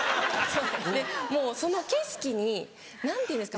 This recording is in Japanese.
でもうその景色に何ていうんですか。